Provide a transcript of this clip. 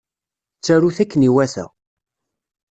Ttarut akken iwata.